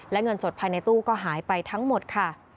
และเงินสดภายในตู้ก็หายไปทั้งหมดค่ะ